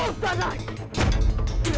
tidak boleh kau kecil